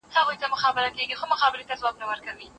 میرویس خان په کندهار کې د نوي دولت بنسټ کېښود.